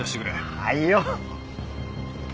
はいよ。